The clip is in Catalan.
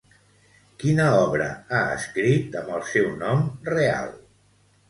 Quina obra ha escrit amb el seu nom real?